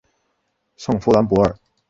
圣夫兰博尔。